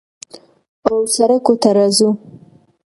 او سروکو ته راځو